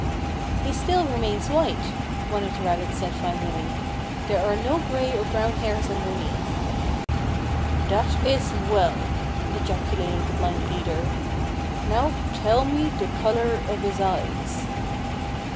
"He still remains white," one of the rabbits said finally. "There are no gray or brown hairs underneath." "That is well!" ejaculated the blind leader. "Now tell me the color of his eyes."